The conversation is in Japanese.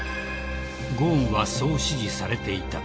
［ゴーンはそう指示されていた］